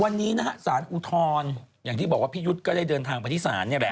วันนี้นะฮะสารอุทธรณ์อย่างที่บอกว่าพี่ยุทธ์ก็ได้เดินทางไปที่ศาลเนี่ยแหละ